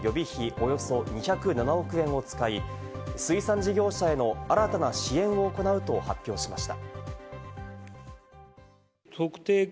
およそ２０７億円を使い、水産事業者への新たな支援を行うと発表しました。